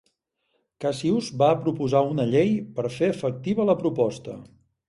Cassius va proposar una llei per fer efectiva la proposta.